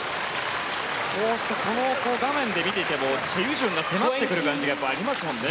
こうして画面で見ていてもチェ・ユジュンが迫ってくる感じがありますものね。